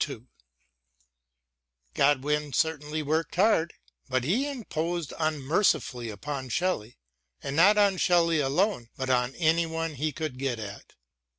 "* Godwin certainly worked hard, but he imposed unmercifully upon Shelley, and not on Shelley alone, but on any one he could get at.